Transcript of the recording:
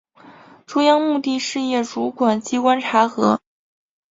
中央目的事业主管机关查核